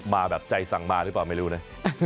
มาแบบใจสั่งมาหรือเปล่าไม่รู้นะ